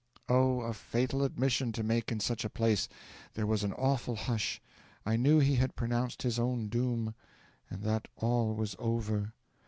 'Oh, a fatal admission to make in such a place! There was an awful hush. I knew he had pronounced his own doom, and that all was over.